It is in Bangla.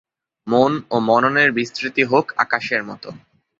মন ও মননের বিস্তৃতি হোক আকাশের মতন।